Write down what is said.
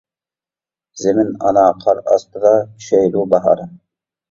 زېمىن ئانا قار ئاستىدا، چۈشەيدۇ باھار.